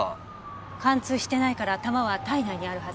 貫通してないから弾は体内にあるはず。